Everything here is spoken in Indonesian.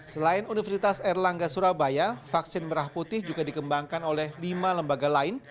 selain universitas erlangga surabaya vaksin merah putih juga dikembangkan oleh lima lembaga lain